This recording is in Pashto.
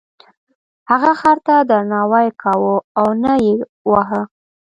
هغه خر ته درناوی کاوه او نه یې واهه.